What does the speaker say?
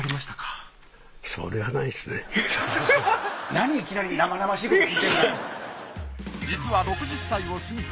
何いきなり生々しいこと聞いてるんだよ。